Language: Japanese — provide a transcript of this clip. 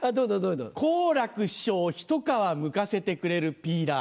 好楽師匠をひと皮むかせてくれるピーラー。